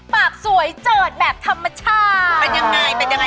ปากสวยเจิดแบบธรรมชาติเป็นยังไงเป็นยังไง